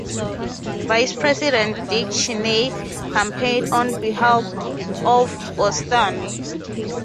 Vice President Dick Cheney campaigned on behalf of Boustany.